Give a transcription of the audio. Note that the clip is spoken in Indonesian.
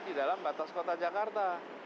di dalam batas kota jakarta